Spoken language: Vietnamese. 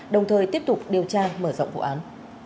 đồng thời tiếp tục điều tra mở rộng vụ án